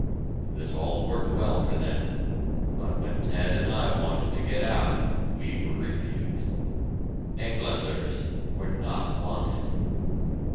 This all worked well for them, but when Ted and I wanted to get out, we were refused. "Engländers" were not wanted!